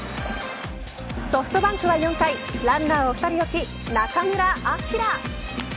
ソフトバンクは４回ランナーを２人置き中村晃。